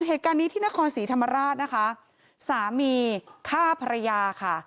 เหตุการณ์นี้ที่นครศรีธรรมราชนะคะสามีฆ่าภรรยาค่ะ